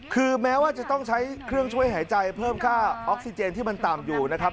คือแม้ว่าจะต้องใช้เครื่องช่วยหายใจเพิ่มค่าออกซิเจนที่มันต่ำอยู่นะครับ